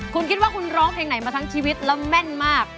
คุณคิดว่าคุณร้องเพลงไหนมาทั้งชีวิตแล้วแม่นมาก